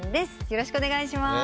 よろしくお願いします。